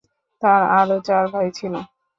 তার আরও চার ভাই ছিল।